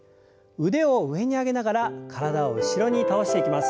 腕を上に上げながら体を後ろに倒していきます。